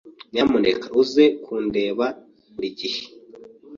Nyamuneka uze kundeba buri gihe.